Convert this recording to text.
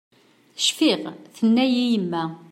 Cfiɣ tenna-yi yemma.